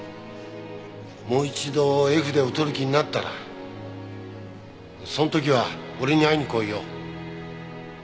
もう一度絵筆を執る気になったらその時は俺に会いに来いよ。